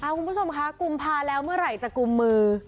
คุณผู้ชมคะกุมภาแล้วเมื่อไหร่จะกุมมือ